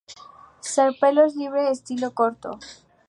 Carpelos libre, estilo corto.